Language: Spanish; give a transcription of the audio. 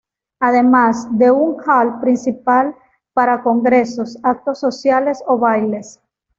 Además, de un hall principal para congresos, actos sociales o bailes.